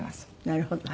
なるほど。